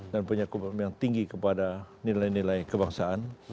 dan punya komitmen yang tinggi kepada nilai nilai kebangsaan